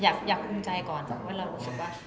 อยากภูมิใจก่อนนะเพราะเรารู้สึกว่า